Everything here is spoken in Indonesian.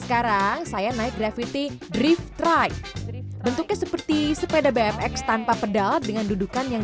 sekarang saya naik gravity drift tribe bentuknya seperti sepeda bmx tanpa pedal dengan dudukan yang